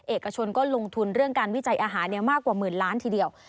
เอกชนก็ลงทุนเรื่องการวิจัยอาหารมากกว่าหมื่นล้านทีเดียว